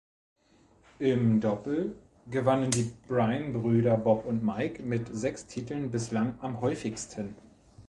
Im Doppel gewannen die Bryan-Brüder Bob und Mike mit sechs Titeln bislang am häufigsten.